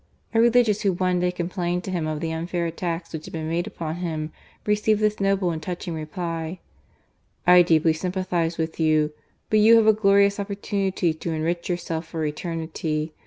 A religious who one day complained to him of the unfair attacks which had been made upon him, received this noble and touching reply: "I deeply sympathize with you, but you have a glorious oppor tunity to enrich yourself for eternity.